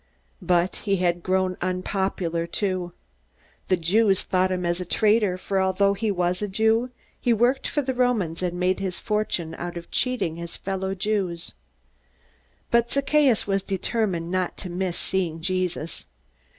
But he had grown unpopular too. The Jews thought him a traitor, for although he was a Jew he worked for the Romans, and made his fortune out of cheating his fellow Jews. But Zacchaeus was determined not to miss seeing Jesus.